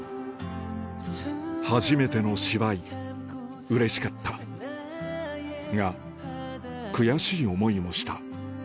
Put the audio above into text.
初めての芝居うれしかったが悔しい思いもした